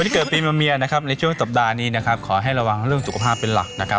เกิดปีมะเมียนะครับในช่วงสัปดาห์นี้นะครับขอให้ระวังเรื่องสุขภาพเป็นหลักนะครับ